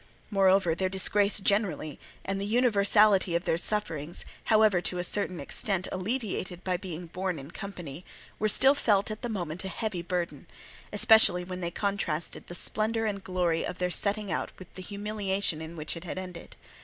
Moreover their disgrace generally, and the universality of their sufferings, however to a certain extent alleviated by being borne in company, were still felt at the moment a heavy burden, especially when they contrasted the splendour and glory of their setting out with the humiliation in which it had ended.